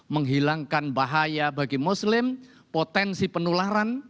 menghilangkan bahaya bagi muslim potensi penularan